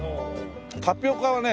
タピオカはね